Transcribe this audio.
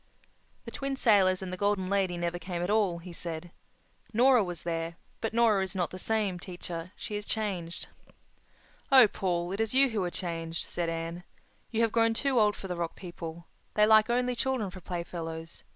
"The Twin Sailors and the Golden Lady never came at all," he said. "Nora was there—but Nora is not the same, teacher. She is changed." "Oh, Paul, it is you who are changed," said Anne. "You have grown too old for the Rock People. They like only children for playfellows.